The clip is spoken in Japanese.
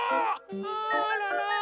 あらら。